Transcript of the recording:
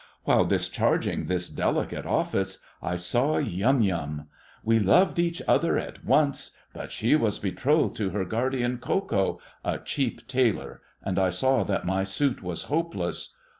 While discharging this delicate office, I saw Yum Yum. We loved each other at once, but she was betrothed to her guardian Ko Ko, a cheap tailor, and I saw that my suit was hopeless.